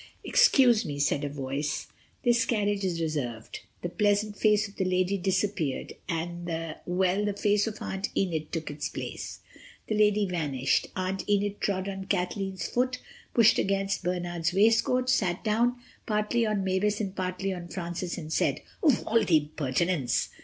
"Excuse me," said a voice, "this carriage is reserved." The pleasant face of the lady disappeared and the—well, the face of Aunt Enid took its place. The lady vanished. Aunt Enid trod on Kathleen's foot, pushed against Bernard's waistcoat, sat down, partly on Mavis and partly on Francis and said—"Of all the impertinence!"